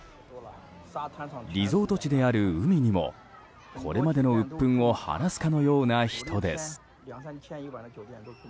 リゾート地である海にもこれまでのうっ憤を晴らすかのような人です。